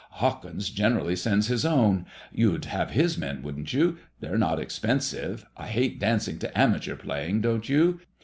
Hawkins generally sends his own. You'd have his men, wouldn't you? They're not expensive. I hate dancing to amateur playing, don't you